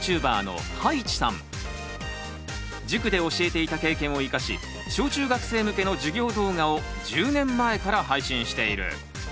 塾で教えていた経験を生かし小中学生向けの授業動画を１０年前から配信している。